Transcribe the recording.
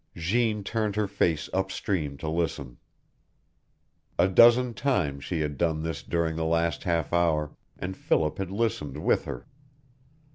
Jeanne turned her face up stream to listen. A dozen times she had done this during the last half hour, and Philip had listened with her.